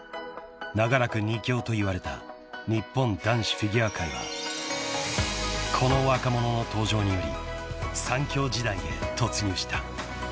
［長らく２強といわれた日本男子フィギュア界はこの若者の登場により３強時代へ突入した］